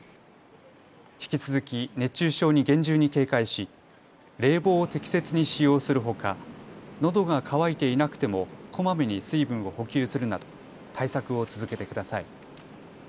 引き続き熱中症に厳重に警戒し冷房を適切に使用するほかのどが渇いていなくてもこまめに水分を補給するなど対策を続けてください。